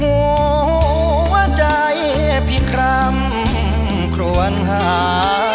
หัวใจผิดคลำควรหา